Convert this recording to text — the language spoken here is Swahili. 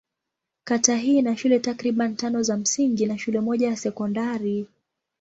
Kata hii ina shule takriban tano za msingi na shule moja ya sekondari.